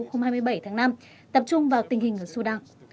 hôm hai mươi bảy tháng năm tập trung vào tình hình ở sudan